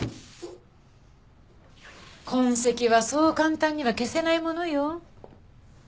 痕跡はそう簡単には消せないものよ。